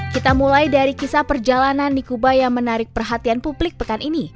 kita mulai dari kisah perjalanan ni kuba yang menarik perhatian publik pekan ini